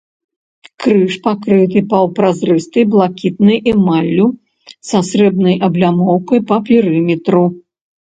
Крыж пакрыты паўпразрыстай блакітнай эмаллю, са срэбнай аблямоўкай па перыметру.